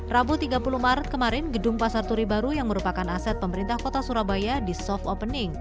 rabu tiga puluh maret kemarin gedung pasar turi baru yang merupakan aset pemerintah kota surabaya di soft opening